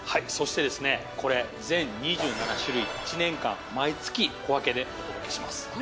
そしてですねこれ全２７種類１年間毎月小分けでお届けします。